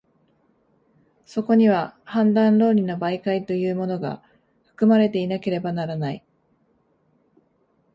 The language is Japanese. そこには判断論理の媒介というものが、含まれていなければならない。